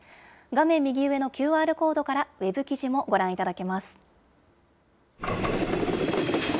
画面右上のＱＲコードからウェブ記事もご覧いただけます。